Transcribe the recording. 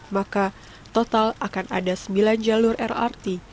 maka total akan ada sembilan jalur lrt